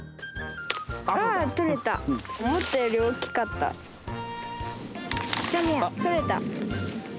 ああとれた思ったより大きかったとれた！